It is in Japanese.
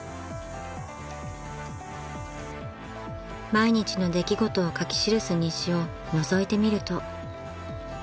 ［毎日の出来事を書き記す日誌をのぞいてみると］